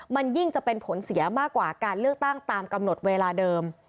มันยิ่งจะเป็นผลเสียมากกว่าการเลือกตั้งตามกำหนดเวลาเดิม